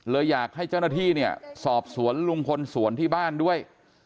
อยากให้เจ้าหน้าที่เนี่ยสอบสวนลุงพลสวนที่บ้านด้วย